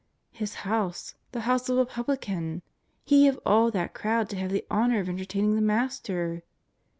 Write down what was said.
'' His house ! the house of a publican ! He of all that crowd to have the honour of entertaining the Master!